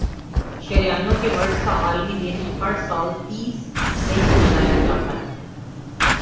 شریانوں کے مرض کا عالمی دن ہر سال تیس مئی کو منایا جاتا ہے